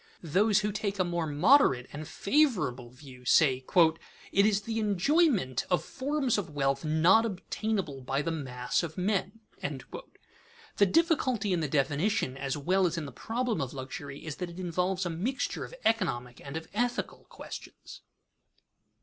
Those who take a more moderate and favorable view say: "It is the enjoyment of forms of wealth not obtainable by the mass of men." The difficulty in the definition as well as in the problem of luxury is that it involves a mixture of economic and of ethical questions.